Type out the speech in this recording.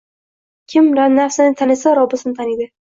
Kim nafsini tanisa, Robbisini taniydi.